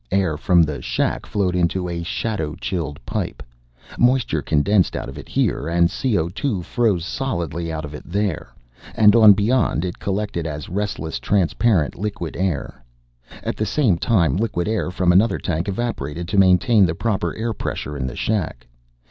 Air from the shack flowed into a shadow chilled pipe. Moisture condensed out of it here, and CO froze solidly out of it there, and on beyond it collected as restless, transparent liquid air. At the same time, liquid air from another tank evaporated to maintain the proper air pressure in the shack.